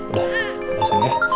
udah sayang ya